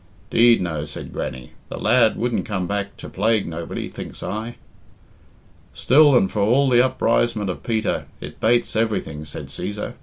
"'Deed no," said Grannie. "The lad wouldn't come back to plague nobody, thinks I." "Still, and for all the uprisement of Peter, it bates everything," said Cæsar.